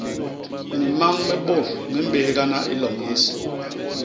Mimañ mi bôt mi mbéghana i loñ yés.